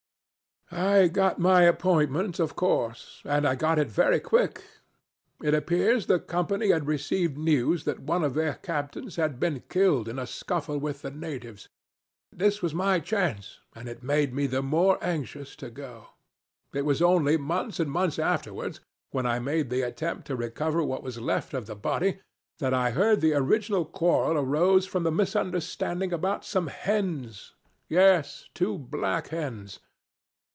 "I got my appointment of course; and I got it very quick. It appears the Company had received news that one of their captains had been killed in a scuffle with the natives. This was my chance, and it made me the more anxious to go. It was only months and months afterwards, when I made the attempt to recover what was left of the body, that I heard the original quarrel arose from a misunderstanding about some hens. Yes, two black hens.